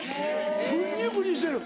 プニュプニュしてる！